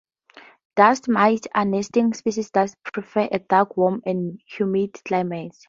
Dust mites are a nesting species that prefers a dark, warm, and humid climate.